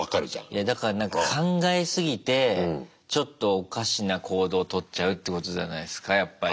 いやだからなんか考え過ぎてちょっとおかしな行動取っちゃうっていうことじゃないですかやっぱり。